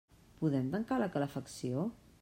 Podem tancar la calefacció?